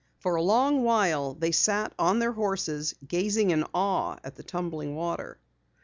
For a long while they sat on their horses, gazing in awe at the tumbling water.